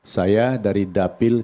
saya dari dapil